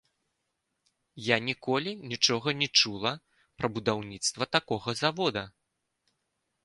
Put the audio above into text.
Я ніколі нічога не чула пра будаўніцтва такога завода.